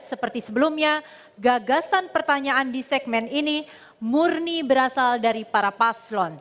seperti sebelumnya gagasan pertanyaan di segmen ini murni berasal dari para paslon